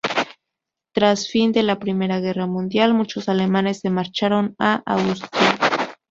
Tras fin de la Primera Guerra Mundial muchos alemanes se marcharon a Austria.